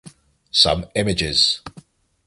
Some images.